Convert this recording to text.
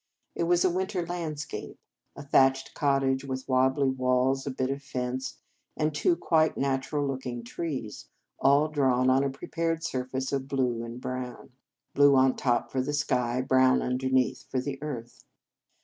It was a winter landscape ; a thatched cottage with wobbly walls, a bit of fence, and two quite natural looking trees, all drawn on a prepared surface of blue and brown, blue on top for the sky, brown underneath for the earth.